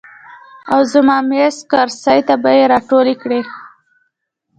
او زما میز، کرسۍ ته به ئې راټولې کړې ـ